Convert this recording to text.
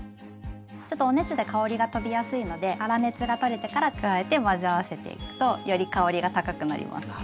ちょっとお熱で香りがとびやすいので粗熱が取れてから加えて混ぜ合わせていくとより香りが高くなります。